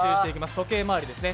時計回りですね。